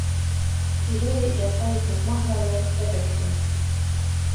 Filee jääb taignas mahlane ja pehme.